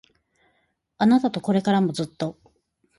あなたとこれからもずっと